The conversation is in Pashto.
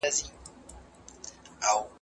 زه پرون کتاب وليکه،